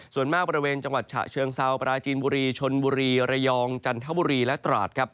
ส่วนมากบริเวณจังหวัดฉะเชิงเซาปราจีนบุรีชนบุรีระยองจันทบุรีและตราดครับ